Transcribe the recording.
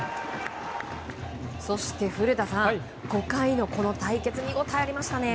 そして古田さん、５回のこの対決見ごたえがありましたね。